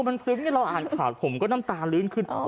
มันซึมหนิเราอ่านข่าวหนูหน้ามน้ำตาเลื้นขึ้น